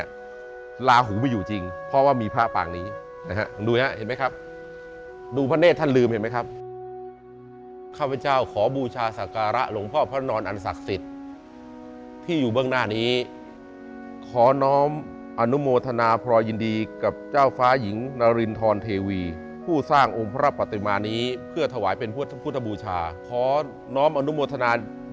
อย่างอันศักดิ์สิทธิ์ที่อยู่เบื้องหน้านี้ขอน้อมอนุโมทรา